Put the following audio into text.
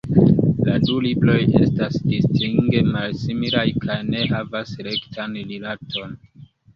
La du libroj estas distinge malsimilaj kaj ne havas rektan rilaton.